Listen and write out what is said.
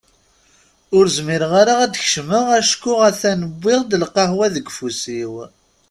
Ur zmireɣ ara ad d-kecmeɣ acku a-t-an wwiɣ-d lqahwa deg ufus-iw.